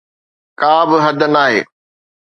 ڪابه حد ناهي.